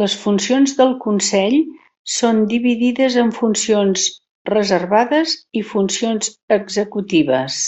Les funcions del consell són dividides en funcions reservades i funcions executives.